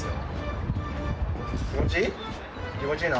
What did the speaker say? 気持ちいいの？